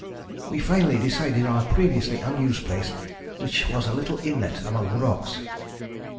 We finally decided on a previously unused place, which was a little inlet among the rocks.